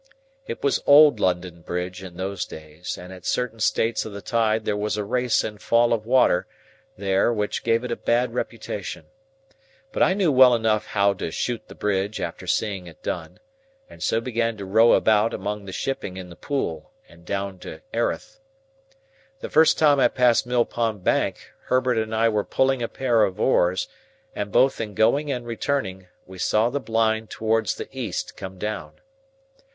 It was Old London Bridge in those days, and at certain states of the tide there was a race and fall of water there which gave it a bad reputation. But I knew well enough how to 'shoot' the bridge after seeing it done, and so began to row about among the shipping in the Pool, and down to Erith. The first time I passed Mill Pond Bank, Herbert and I were pulling a pair of oars; and, both in going and returning, we saw the blind towards the east come down.